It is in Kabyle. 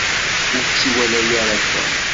Ur tt-iwala ara Tom.